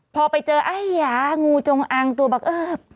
พอไปเจอเอ๊ยงูจงอ้างตัวแบบ